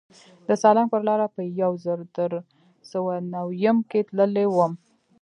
د سالنګ پر لاره په یو زر در سوه نویم کې تللی وم.